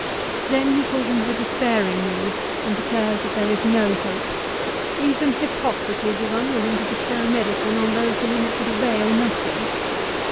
Then he falls into a despairing mood and declares that there is no hope. " Even Hippocrates was unwilling to bestow medicine on those to whom it could avail nothing."